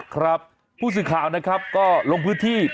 ครับผู้สื่อข่าวนะครับก็ลงพื้นที่